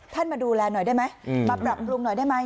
ท่านมาดูแลหน่อยได้มั้ยบับรับลุงหน่อยได้มั้ย